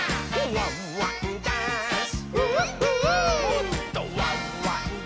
「ワンワンダンス！」